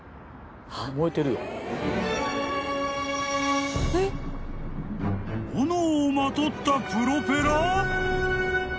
［炎をまとったプロペラ！？］